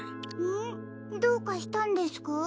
どうかしたんですか？